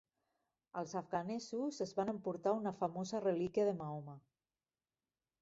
Els afganesos es van emportar una famosa relíquia de Mahoma.